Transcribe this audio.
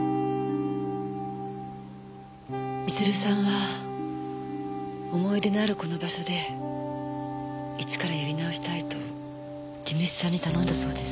光留さんは思い出のあるこの場所で一からやり直したいと地主さんに頼んだそうです。